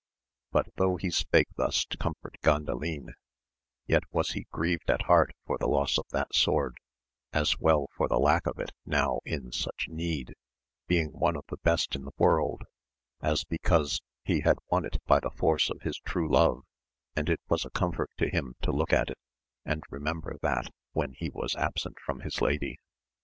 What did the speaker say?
But though he spake thus to comfort Gandalin, yet was he grjeved at heart for the loss of that sword, as well for the lack of it now in such need, being one of the best in the world, as because he had j ^on it by the force of his true love; and it was a comfort *, AMADIS OF GAUL, 93 to him to look at it, and remember that when he was absent from his lady.